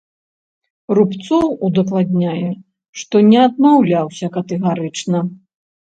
Рубцоў удакладняе, што не адмаўляўся катэгарычна.